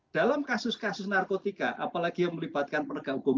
dalam kasus kasus narkotika apalagi yang melibatkan penegak hukum